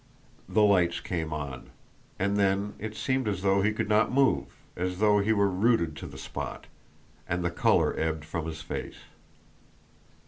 The lights came on. And then it seemed as though he could not move, as though he were rooted to the spot and the colour ebbed from his face.